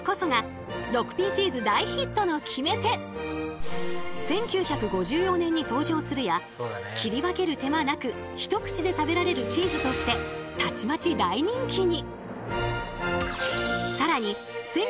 そしてこの１９５４年に登場するや切り分ける手間なく一口で食べられるチーズとしてたちまち大人気に！